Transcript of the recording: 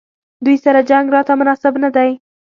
دوی سره جنګ راته مناسب نه دی.